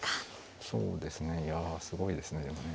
そうですねいやすごいですねでもね。